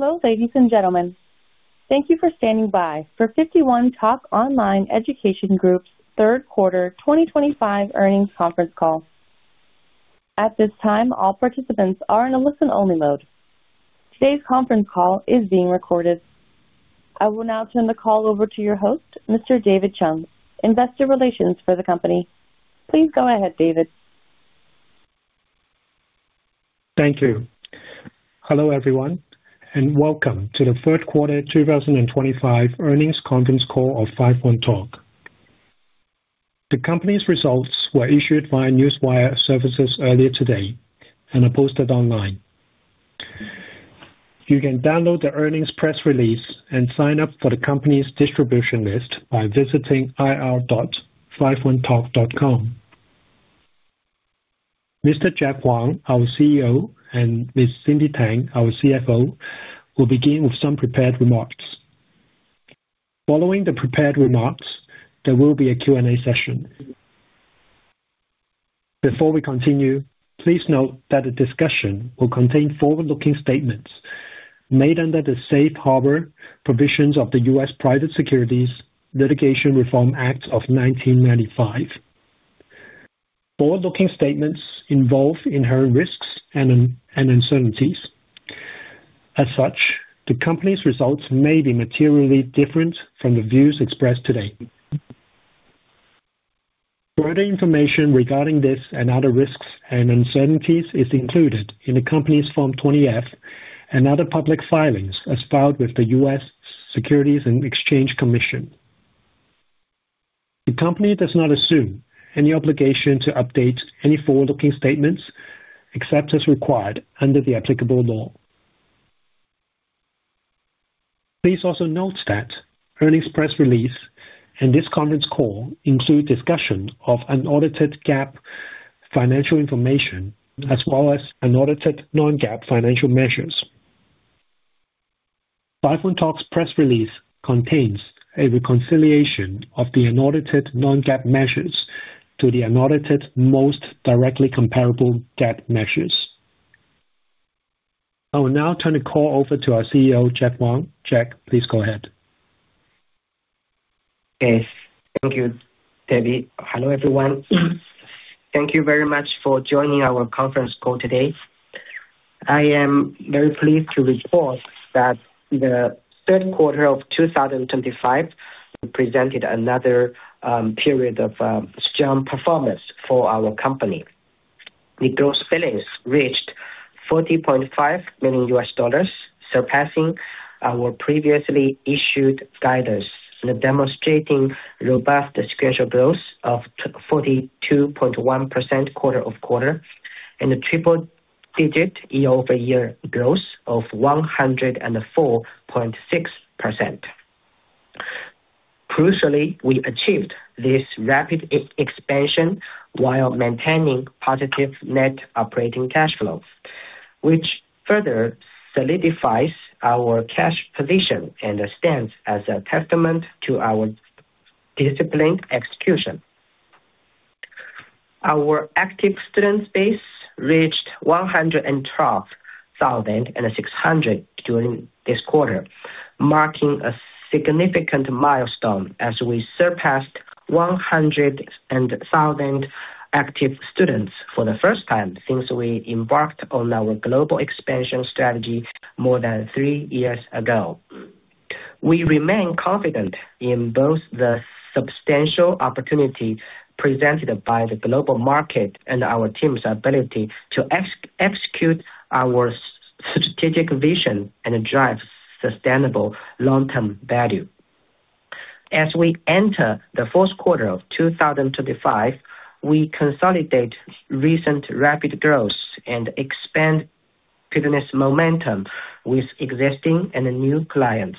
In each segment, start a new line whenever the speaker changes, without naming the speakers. Hello, ladies and gentlemen. Thank you for standing by for 51Talk Online Education Group's Third Quarter 2025 earnings conference call. At this time, all participants are in a listen-only mode. Today's conference call is being recorded. I will now turn the call over to your host, Mr. David Chung, Investor Relations for the company. Please go ahead, David.
Thank you. Hello, everyone, and welcome to the third quarter 2025 earnings conference call of 51Talk. The company's results were issued via newswire services earlier today and are posted online. You can download the earnings press release and sign up for the company's distribution list by visiting ir.51talk.com. Mr. Jack Huang, our CEO, and Ms. Cindy Tang, our CFO, will begin with some prepared remarks. Following the prepared remarks, there will be a Q&A session. Before we continue, please note that the discussion will contain forward-looking statements made under the Safe Harbor provisions of the U.S. Private Securities Litigation Reform Act of 1995. Forward-looking statements involve inherent risks and uncertainties. As such, the company's results may be materially different from the views expressed today. Further information regarding this and other risks and uncertainties is included in the company's Form 20-F and other public filings as filed with the U.S. Securities and Exchange Commission. The company does not assume any obligation to update any forward-looking statements except as required under the applicable law. Please also note that the earnings press release and this conference call include discussion of unaudited GAAP financial information as well as unaudited non-GAAP financial measures. 51Talk's press release contains a reconciliation of the unaudited non-GAAP measures to the unaudited most directly comparable GAAP measures. I will now turn the call over to our CEO, Jack Huang. Jack, please go ahead.
Yes. Thank you, David. Hello, everyone. Thank you very much for joining our conference call today. I am very pleased to report that the third quarter of 2025 presented another period of strong performance for our company. The gross billings reached 40.5 million U.S. dollars, surpassing our previously issued guidance and demonstrating robust sequential growth of 42.1% quarter-over-quarter and a triple-digit year-over-year growth of 104.6%. Crucially, we achieved this rapid expansion while maintaining positive net operating cash flow, which further solidifies our cash position and stands as a testament to our disciplined execution. Our active student base reached 112,600 during this quarter, marking a significant milestone as we surpassed 100,000 active students for the first time since we embarked on our global expansion strategy more than three years ago. We remain confident in both the substantial opportunity presented by the global market and our team's ability to execute our strategic vision and drive sustainable long-term value. As we enter the fourth quarter of 2025, we consolidate recent rapid growth and expand business momentum with existing and new clients.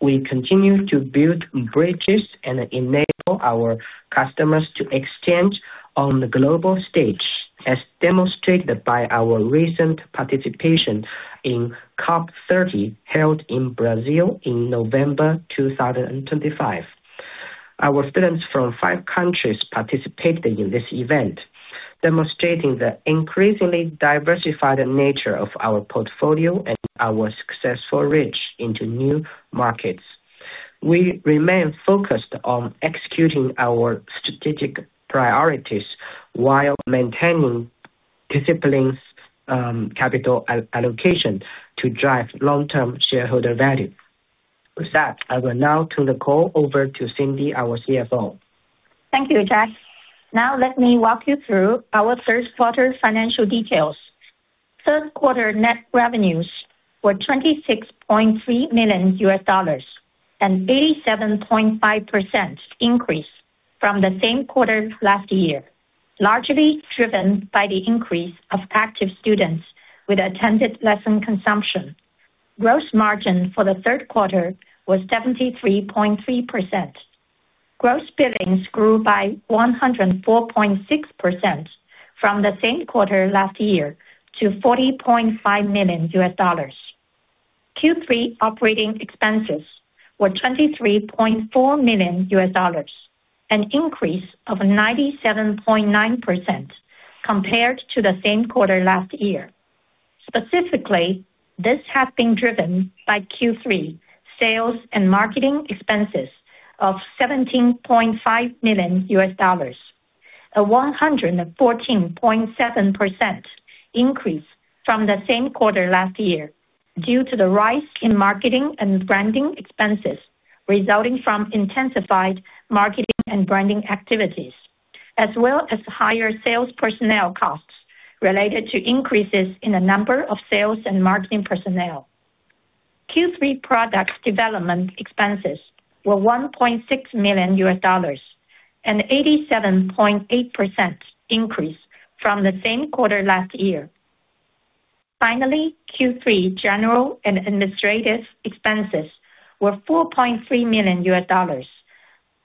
We continue to build bridges and enable our customers to exchange on the global stage, as demonstrated by our recent participation in COP30 held in Brazil in November 2025. Our students from five countries participated in this event, demonstrating the increasingly diversified nature of our portfolio and our successful reach into new markets. We remain focused on executing our strategic priorities while maintaining disciplined capital allocation to drive long-term shareholder value. With that, I will now turn the call over to Cindy, our CFO.
Thank you, Jack. Now, let me walk you through our third quarter financial details. Third quarter net revenues were 26.3 million U.S. dollars, an 87.5% increase from the same quarter last year, largely driven by the increase of active students with attended lesson consumption. Gross margin for the third quarter was 73.3%. Gross billings grew by 104.6% from the same quarter last year to 40.5 million U.S. dollars. Q3 operating expenses were 23.4 million U.S. dollars, an increase of 97.9% compared to the same quarter last year. Specifically, this has been driven by Q3 sales and marketing expenses of 17.5 million U.S. dollars, a 114.7% increase from the same quarter last year due to the rise in marketing and branding expenses resulting from intensified marketing and branding activities, as well as higher sales personnel costs related to increases in the number of sales and marketing personnel. Q3 product development expenses were 1.6 million U.S. dollars, an 87.8% increase from the same quarter last year. Finally, Q3 general and administrative expenses were 4.3 million U.S. dollars,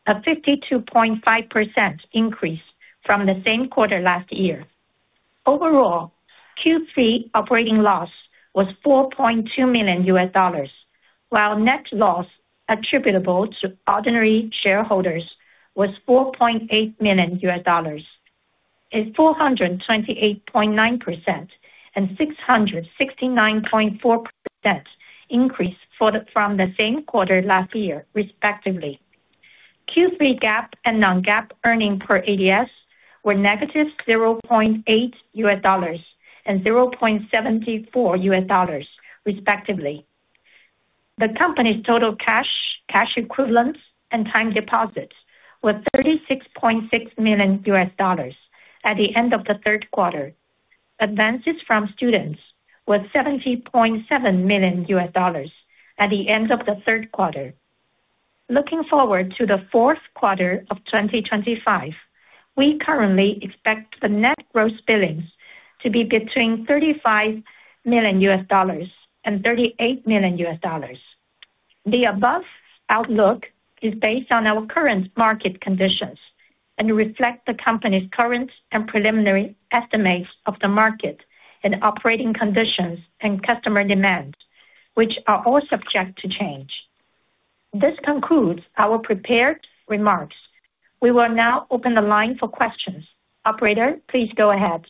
a 52.5% increase from the same quarter last year. Overall, Q3 operating loss was 4.2 million U.S. dollars, while net loss attributable to ordinary shareholders was 4.8 million U.S. dollars. A 428.9% and 669.4% increase from the same quarter last year, respectively. Q3 GAAP and non-GAAP earnings per ADS were negative 0.80 and0.74 U.S. dollars, respectively. The company's total cash equivalents and time deposits were 36.6 million U.S. dollars at the end of the third quarter. Advances from students were 70.7 million U.S. dollars at the end of the third quarter. Looking forward to the fourth quarter of 2025, we currently expect the gross billings to be between 35 million U.S. dollars and 38 million U.S. dollars. The above outlook is based on our current market conditions and reflects the company's current and preliminary estimates of the market and operating conditions and customer demand, which are all subject to change. This concludes our prepared remarks. We will now open the line for questions. Operator, please go ahead.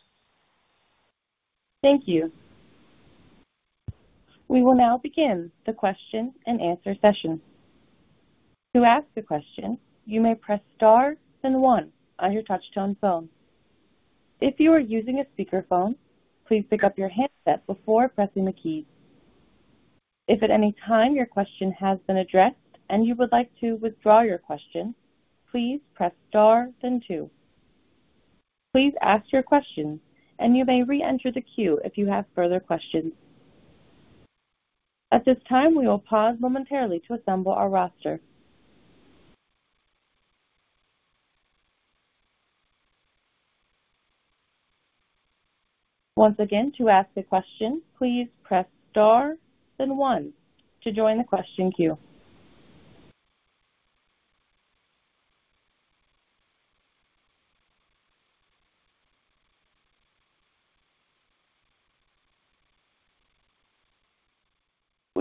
Thank you. We will now begin the question and answer session. To ask a question, you may press star then one on your touch-tone phone. If you are using a speakerphone, please pick up your handset before pressing the keys. If at any time your question has been addressed and you would like to withdraw your question, please press star then two. Please ask your question, and you may re-enter the queue if you have further questions. At this time, we will pause momentarily to assemble our roster. Once again, to ask a question, please press star then one to join the question queue.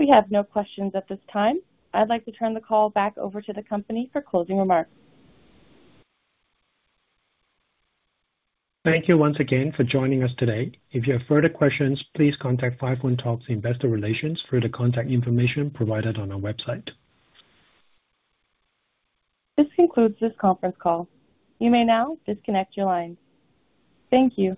We have no questions at this time. I'd like to turn the call back over to the company for closing remarks.
Thank you once again for joining us today. If you have further questions, please contact 51Talk's Investor Relations through the contact information provided on our website.
This concludes this conference call. You may now disconnect your line. Thank you.